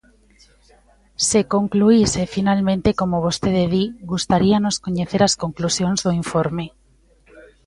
Se concluíse finalmente como vostede di, gustaríanos coñecer as conclusións do informe.